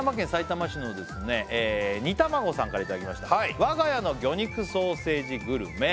まず１つ目からいただきました「我が家の魚肉ソーセージグルメ」